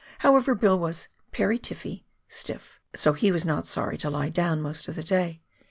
However, Bill was " pery tifpy " (stiff), so he was not sorry to lie down most of the day.